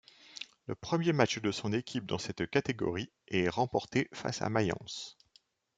Le premier match de son équipe dans cette catégorie est remporté face à Mayence.